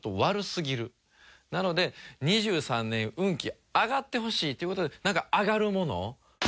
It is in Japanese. なので２３年運気上がってほしいという事でなんか上がるものを。